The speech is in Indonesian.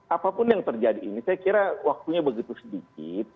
apapun yang terjadi ini saya kira waktunya begitu sedikit